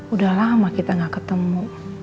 udah lama kita gak ketemu